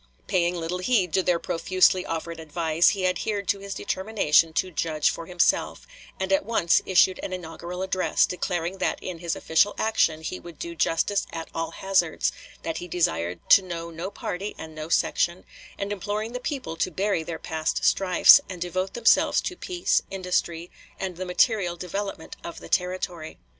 Paying little heed to their profusely offered advice, he adhered to his determination to judge for himself, and at once issued an inaugural address, declaring that in his official action he would do justice at all hazards, that he desired to know no party and no section, and imploring the people to bury their past strifes, and devote themselves to peace, industry, and the material development of the Territory.